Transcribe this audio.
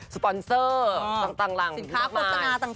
สปอนเซอร์ต่างหลังสินค้าสินค้าโปรดตนาต่าง